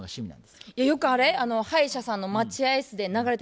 よくあれ歯医者さんの待合室で流れてるＢＧＭ？